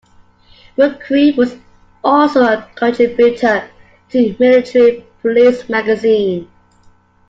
McCree was also a contributor to "Military Police" magazine.